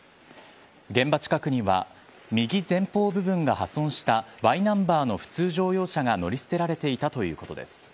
現場近くには右前方部分が破損したＹナンバーの普通乗用車が乗り捨てられていたということです。